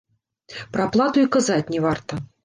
Пра аплату й казаць не варта.